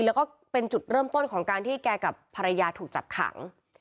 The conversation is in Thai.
แล้วก็เป็นจุดเริ่มต้นของการที่แกกับภรรยาถูกจับขัง